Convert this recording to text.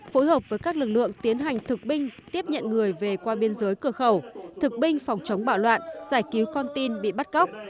phối hợp với các lực lượng tiến hành thực binh tiếp nhận người về qua biên giới cửa khẩu thực binh phòng chống bạo loạn giải cứu con tin bị bắt cóc